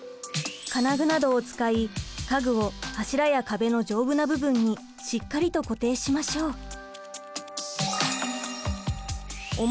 金具などを使い家具を柱や壁の丈夫な部分にしっかりと固定しましょう。